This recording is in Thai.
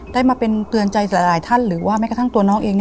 ได้มาเป็นเตือนใจหลายท่านหรือว่าแม้กระทั่งตัวน้องเอง